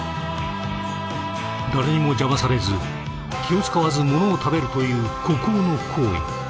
誰にも邪魔されず気を遣わずものを食べるという孤高の行為。